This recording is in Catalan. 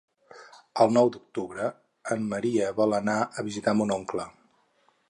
El nou d'octubre en Maria vol anar a visitar mon oncle.